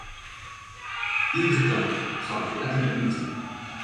Tige tank foar it lekkere iten.